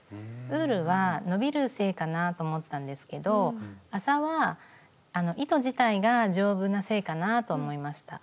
ウールは伸びるせいかなと思ったんですけど麻は糸自体が丈夫なせいかなと思いました。